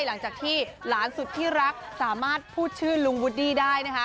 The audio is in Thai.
หลังจากที่หลานสุดที่รักสามารถพูดชื่อลุงวูดดี้ได้นะคะ